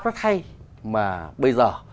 rất hay mà bây giờ